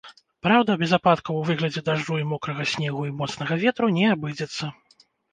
Праўда, без ападкаў у выглядзе дажджу і мокрага снегу і моцнага ветру не абыдзецца.